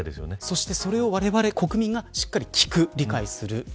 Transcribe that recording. そして、それをわれわれ国民がしっかり聞き、理解する。